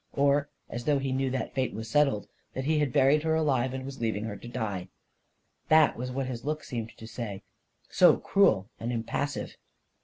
Or as though he knew that fate was settled — that he had buried her alive and was leaving her to die ! That was what his look seemed to say, so cruel and impassive